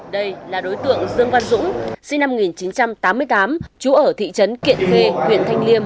đây là đối tượng dương văn dũng sinh năm một nghìn chín trăm tám mươi tám trú ở thị trấn kiện khê huyện thanh liêm